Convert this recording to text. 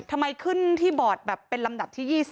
ขึ้นที่บอร์ดแบบเป็นลำดับที่๒๐